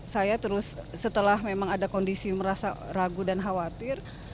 saya terus setelah memang ada kondisi merasa ragu dan khawatir